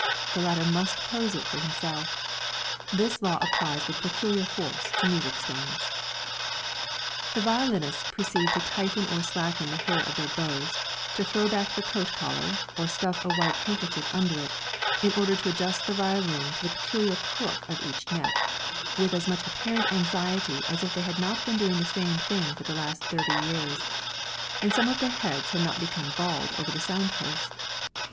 The latter must pose it for himself. This law applies with peculiar force to music stands. The violinists proceed to tighten or slacken the hair of their bows, to throw back the coat collar, or stuff a white handkerchief under it, in order to adjust the violin to the peculiar crook of each neck, with as much apparent anxiety as if they had not been doing the same thing for the last thirty years, and some of their heads had not become bald over the sound post.